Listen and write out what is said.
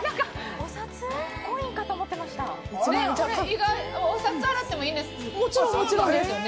お札を洗ってもいいんですよね。